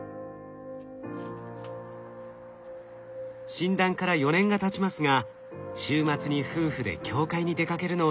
診断から４年がたちますが週末に夫婦で教会に出かけるのを楽しみにしています。